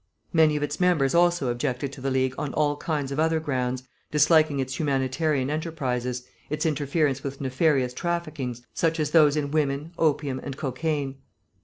Many of its members also objected to the League on all kinds of other grounds, disliking its humanitarian enterprises, its interference with nefarious traffickings, such as those in women, opium, and cocaine.